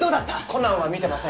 「コナン」は見てません。